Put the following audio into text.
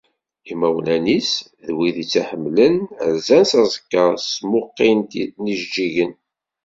Imawlan-is d wid i tt-iḥemmlen, rzan s aẓekka-s s tmuqqint n yijeǧǧigen.